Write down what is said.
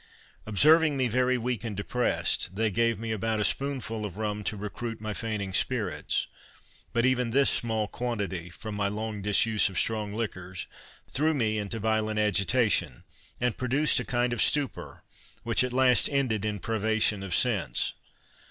Observing me very weak and depressed, they gave me about a spoonful of rum to recruit my fainting spirits; but even this small quantity, from my long disuse of strong liquors, threw me into violent agitation, and produced a kind of stupor, which at last ended in privation of sense.